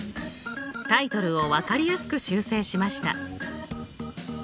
タイトルを分かりやすく修正しました。